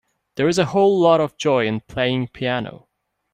There is a whole lot of joy in playing piano.